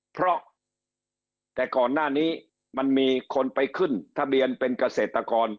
เพราะแต่ก่อนหน้านี้มันมีคนไปขึ้นทะเบียนเป็นเกษตรกร